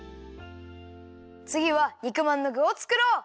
つぎは肉まんのぐをつくろう！